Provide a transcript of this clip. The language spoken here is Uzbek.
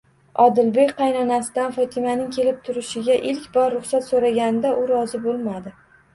Odilbek qaynonasidan Fotimaning kelib turishiga ilk bor ruxsat so'raganida u rozi bo'lmadi.